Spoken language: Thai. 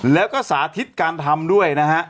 แล้วก็สาธิตการทำด้วยนะฮะ